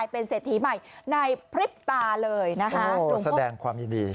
เป็นเศรษฐีใหม่ในพริบตาเลยนะคะโอ้แสดงความยินดี